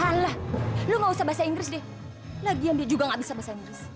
alah lu gausah bahasa inggris deh lagian dia juga ga bisa bahasa inggris